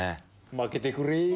負けてくれぇい。